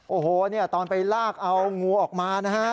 โอ้โฮตอนไปลากเอางูออกมานะครับ